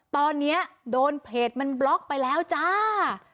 ตอนนี้โดนเพจมันบล็อกไปแล้วจ้า